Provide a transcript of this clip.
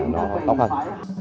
nó góp phần